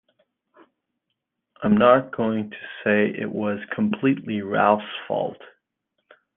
I'm not going to say it was completely Ralf's fault.